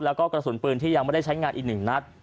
แล้วก็กระสุนปืนที่ยังไม่ได้ใช้งานอีกหนึ่งนัด